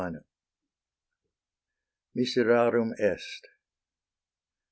XII. MISERARUM EST.